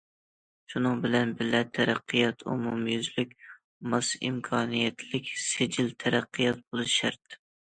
شۇنىڭ بىلەن بىللە، تەرەققىيات ئومۇميۈزلۈك، ماس، ئىمكانىيەتلىك سىجىل تەرەققىيات بولۇشى شەرت.